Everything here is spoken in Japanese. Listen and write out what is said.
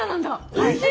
おいしい！